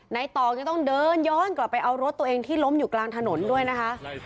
ตอกยังต้องเดินย้อนกลับไปเอารถตัวเองที่ล้มอยู่กลางถนนด้วยนะคะ